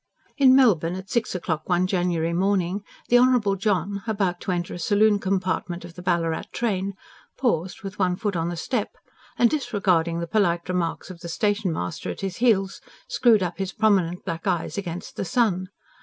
In Melbourne, at six o'clock one January morning, the Honourable John, about to enter a saloon compartment of the Ballarat train, paused, with one foot on the step, and disregarding the polite remarks of the station master at his heels, screwed up his prominent black eyes against the sun.